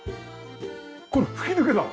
これ吹き抜けだ！